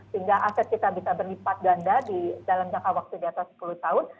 sehingga aset kita bisa berlipat ganda di dalam jangka waktu di atas sepuluh tahun